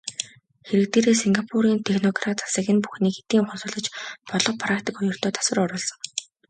Хэрэг дээрээ Сингапурын технократ засаг энэ бүхнийг хэдийн ухамсарлаж бодлого, практик хоёртоо засвар оруулсан.